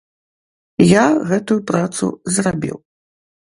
Я гэтую працу зрабіў.